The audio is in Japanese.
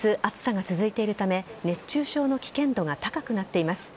連日、暑さが続いているため熱中症の危険度が高くなっています。